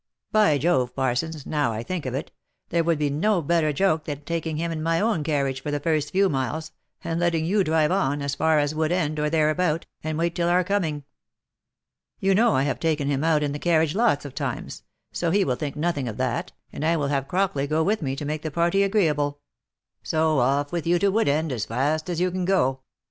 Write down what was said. — By Jove ! Parsons, now I think of it, there would be no better joke than taking him in my own carriage for the first few miles, and letting you drive on, as far as Wood End or there about, and wait till our coming. You know I have taken him out in the carriage lots of times, so he will think nothing of that — and I will have Crockley go with me to make the party agreeable. So off with you to Wood End as fast as you can go.